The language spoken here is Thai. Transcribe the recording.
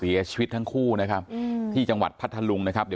เสียชีวิตทั้งคู่นะครับที่จังหวัดพัทธลุงนะครับเดี๋ยว